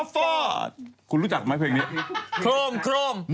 มันใกล้ด้วยนะไม่ได้ประกอบ